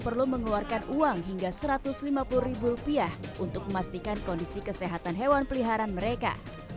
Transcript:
perlu mengeluarkan uang hingga satu ratus lima puluh ribu rupiah untuk memastikan kondisi kesehatan hewan peliharaan mereka